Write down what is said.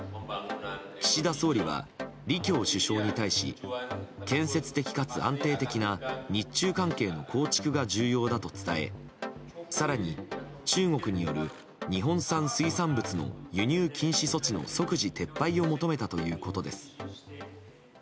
岸田総理は、李強首相に対し建設的かつ安定的な日中関係の構築が重要だと伝え更に、中国による日本産水産物の輸入禁止措置の即時撤廃を求めたということです。